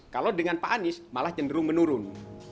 kalau dengan pak anies malah cenderung menurun